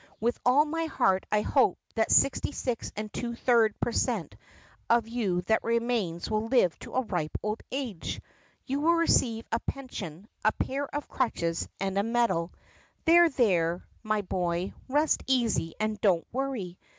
With all my heart I hope the 66§ per cent, of you that remains will live to a ripe old age. You will receive a pension, a pair of crutches, and a medal. There, there, my boy, rest easy and don't worry.